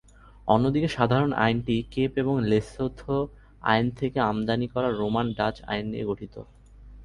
অন্যদিকে সাধারণ আইনটি কেপ এবং লেসোথো আইন থেকে আমদানি করা রোমান ডাচ আইন নিয়ে গঠিত।